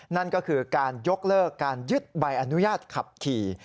นั่นก็คือการยกเลิกการยึดใบอนุญาตขับขี่